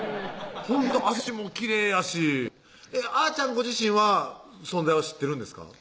ほんと脚もきれいやしあちゃんご自身は存在は知ってるんですか？